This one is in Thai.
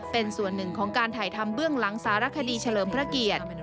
เป็นส่วนหนึ่งของการถ่ายทำเบื้องหลังสารคดีเฉลิมพระเกียรติ